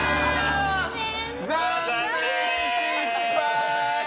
残念、失敗！